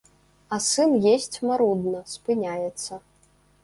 А сын есць марудна, спыняецца.